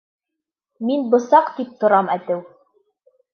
Мин бысаҡ тип торам әтеү.